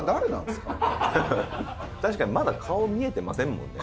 確かにまだ顔見えてませんもんね。